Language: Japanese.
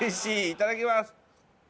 いただきます。